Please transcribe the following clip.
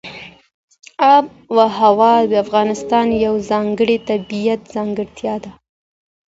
آب وهوا د افغانستان یوه ځانګړې طبیعي ځانګړتیا ده.